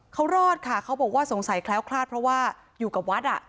เขารอดค่ะเขาบอกว่าสงสัยแคล้วคลาดเพราะว่าอยู่กับวัดอ่ะ